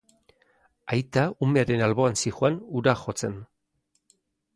Aita umearen alboan zihoan hura jotzen.